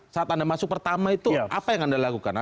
saat anda masuk pertama itu apa yang anda lakukan